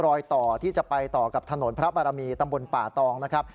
รอยต่อที่จะไปต่อกับถนนพระบารมีตำบลป่าตองนะครับ